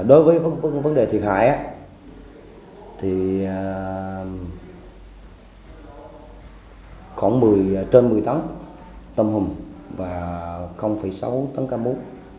đối với vấn đề thiệt hại thì khoảng trên một mươi tấm tâm hùng và sáu tấm ga mũ